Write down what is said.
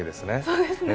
そうですね。